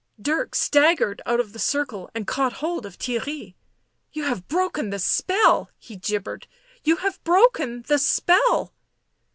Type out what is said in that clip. Dirk staggered out of the circle and caught hold of Theirry. " You have broken the spell!" he gibbered. "You have broken the spell